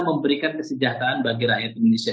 memberikan kesejahteraan bagi rakyat indonesia